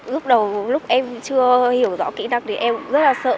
lúc đầu lúc em chưa hiểu rõ kỹ năng thì em rất là sợ